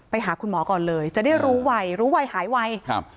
ไปหาคุณหมอก่อนเลยจะได้รู้ไวรู้ไวหายไวครับ